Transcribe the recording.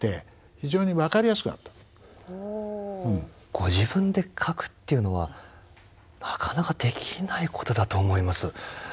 ご自分で書くっていうのはなかなかできないことだと思います。